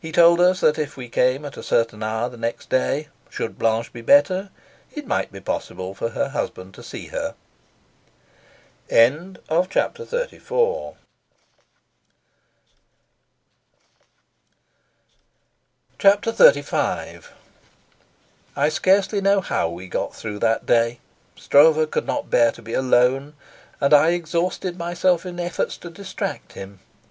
He told us that if we came at a certain hour next day, should Blanche be better, it might be possible for her husband to see her. Chapter XXXV I scarcely know how we got through that day. Stroeve could not bear to be alone, and I exhausted myself in efforts to distract him.